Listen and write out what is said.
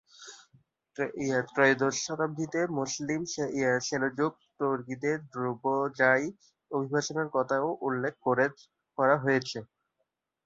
ত্রয়োদশ শতাব্দীতে মুসলিম সেলজুক তুর্কিদের দোব্রুজায় অভিবাসনের কথাও উল্লেখ করা হয়েছে।